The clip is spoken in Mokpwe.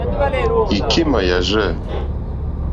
Ìkémà yàrzɛ̂.